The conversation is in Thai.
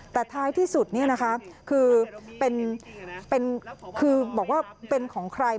แต่ท้ายที่สุดคือบอกว่าเป็นของใคร